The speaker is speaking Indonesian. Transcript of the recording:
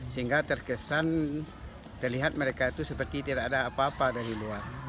sehingga terkesan terlihat mereka itu seperti tidak ada apa apa dari luar